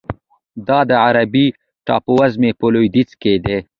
دا د عربي ټاپوزمې په لویدیځ کې دی.